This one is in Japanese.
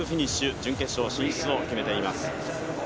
準決勝進出を決めています。